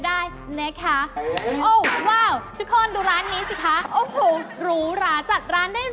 ร้านเราน่าจะมีผู้หญิงมาขายบ้างฉันว่านะ